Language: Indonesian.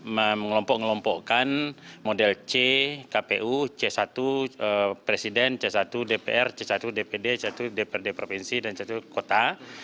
mengelompok ngelompokkan model c kpu c satu presiden c satu dpr c satu dpd satu dprd provinsi dan satu kota